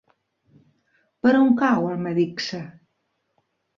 Per on cau Almedíxer?